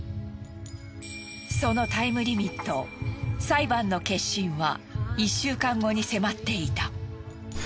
そのタイムリミット裁判の結審は１週間後に迫っていた。